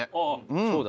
そうだ。